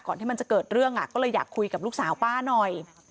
ที่มันจะเกิดเรื่องก็เลยอยากคุยกับลูกสาวป้าหน่อย